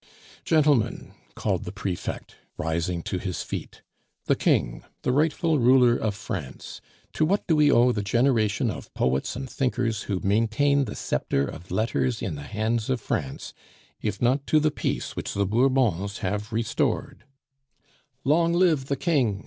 "Gentlemen," called the prefect, rising to his feet, "the King! the rightful ruler of France! To what do we owe the generation of poets and thinkers who maintain the sceptre of letters in the hands of France, if not to the peace which the Bourbons have restored " "Long live the King!"